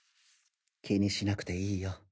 気にしなくていいよ。